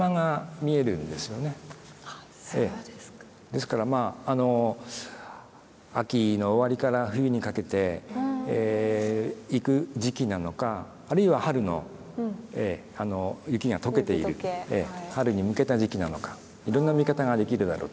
ですからまあ秋の終わりから冬にかけていく時期なのかあるいは春の雪が解けている春に向けた時期なのかいろんな見方ができるだろうと思います。